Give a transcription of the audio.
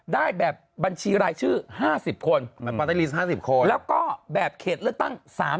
ได้แบบบัญชีรายชื่อ๕๐คน